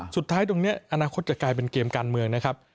สุดท้ายตรงนี้อนาคตจะกลายเป็นเกมการเมืองนะครับ